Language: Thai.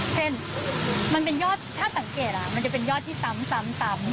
เช่นถ้าสังเกตมันจะเป็นยอดที่ซ้ำ